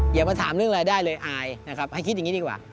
อย่ามาถามเรื่องรายได้เลยอายนะครับให้คิดอย่างนี้ดีกว่า